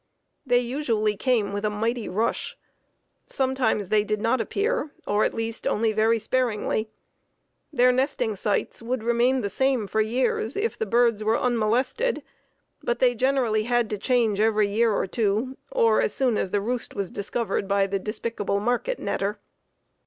They usually came with a mighty rush. Sometimes they did not appear, or, at least, only very sparingly. Their nesting sites would remain the same for years if the birds were unmolested, but they generally had to change every year or two, or as soon as the roost was discovered by the despicable market netter.